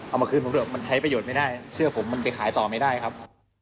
เอามาคืนผมด้วยมันใช้ประโยชน์ไม่ได้เสื้อผมมันไปขายต่อไม่ได้ครับ